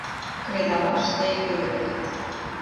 Кредалаш тый пӧлеклет.